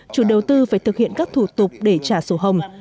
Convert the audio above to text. chủ đầu tư phải thực hiện các thủ tục để trả sổ hồng